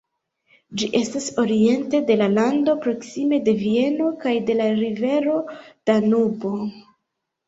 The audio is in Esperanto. Ĝi estas oriente de la lando, proksime de Vieno kaj de la rivero Danubo.